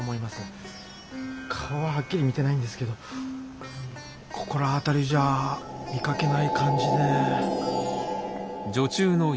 顔ははっきり見てないんですけどここら辺りじゃ見かけない感じで。